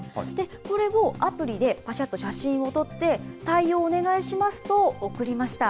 これをアプリで、ぱしゃっと写真を撮って、対応をお願いしますと送りました。